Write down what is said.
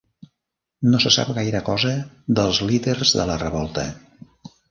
No se sap gaire cosa dels líders de la revolta.